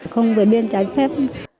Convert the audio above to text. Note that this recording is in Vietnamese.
không với biên trái phép